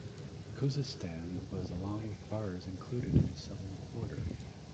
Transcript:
Khuzistan was along with Pars included in the southern quarter.